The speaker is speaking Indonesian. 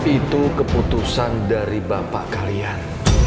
itu keputusan dari bapak kalian